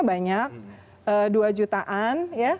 banyak dua jutaan